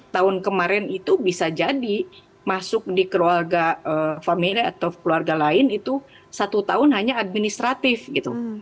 tahun kemarin itu bisa jadi masuk di keluarga family atau keluarga lain itu satu tahun hanya administratif gitu